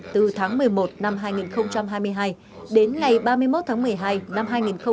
từ tháng một mươi một năm hai nghìn hai mươi hai đến ngày ba mươi một tháng một mươi hai năm hai nghìn hai mươi ba